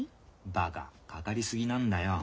バカかかり過ぎなんだよ。